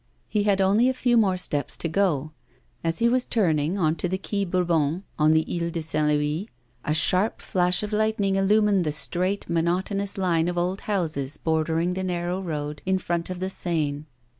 He had only a few more steps to go. As he was turning on to the Quai Bourbon, on the Isle of St. Louis, a sharp flash of lightning illumined the straight, monotonous line of old houses bordering the narrow road in front of the Seine.